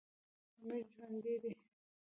امیر ژوندی دی.